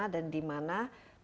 dan di mana